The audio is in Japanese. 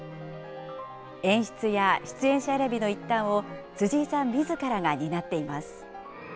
演出や出演者選びの一端を辻井さんみずからが担っています。